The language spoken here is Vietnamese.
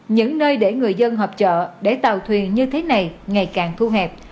những nơi để người dân hợp trợ để tàu thuyền như thế này ngày càng thu hẹp